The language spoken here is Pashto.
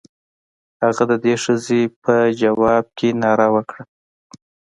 هغه د دې ښځې په ځواب کې ناره وکړه.